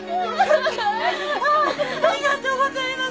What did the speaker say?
ありがとうございます。